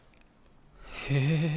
へえ。